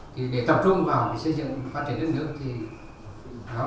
thì tôi rất là hy vọng và mong sự trị đạo lãnh đạo mạnh mẽ hơn cương viên hơn